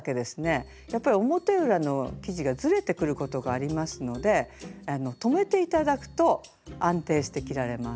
やっぱり表裏の生地がずれてくることがありますので留めて頂くと安定して着られます。